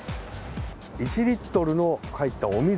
１リットル入ったお水